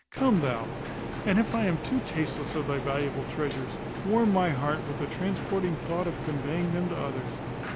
Come thou, and if I am too tasteless of thy valuable treasures, warm my heart with the transporting thought of conveying them to others.